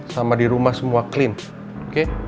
sama di rumah semua clean oke